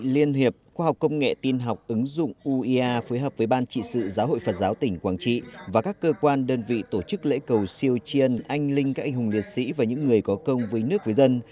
liên hiệp khoa học công nghệ tin học ứng dụng ue phối hợp với ban trị sự giáo hội phật giáo tỉnh quảng trị và các cơ quan đơn vị tổ chức lễ cầu siêu triên anh linh các anh hùng liệt sĩ và những người có công với nước với dân